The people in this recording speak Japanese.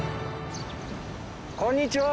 こんにちは！